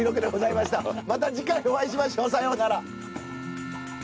また次回お会いしましょうさようなら。